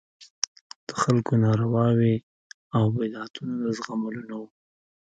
د خلکو نارواوې او بدعتونه د زغملو نه وو.